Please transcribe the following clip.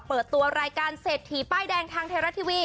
เปิดตัวรายการเศษถีใป้แดงทางเทระทีวี